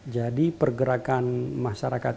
jadi pergerakan masyarakat